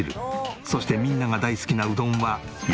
そしてみんなが大好きなうどんは焼うどんに。